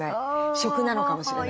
食なのかもしれない